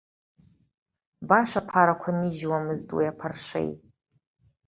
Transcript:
Баша аԥарақәа нижьуамызт уи аԥаршеи.